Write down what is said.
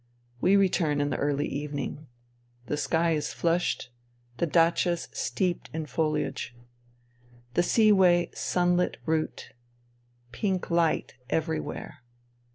We return in the early evening. The sky is flushed ; the datchas steeped in foliage. The seaway sunlit route. Pink light everywhere.